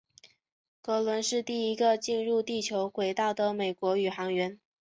格伦是第一个进入地球轨道的美国宇航员。